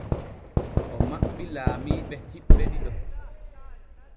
O maɓɓi laamiiɓe hiɓɓe ɗiɗo.